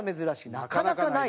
なかなかない。